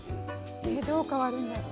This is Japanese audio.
えどう変わるんだろう？